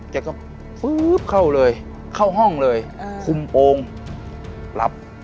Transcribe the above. แกก็ฟื๊บเข้าเลยเข้าห้องเลยคุมโองรับ